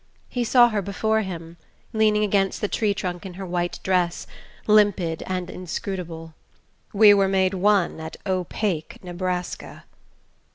He saw her before him, leaning against the tree trunk in her white dress, limpid and inscrutable.... "We were made one at Opake, Nebraska...."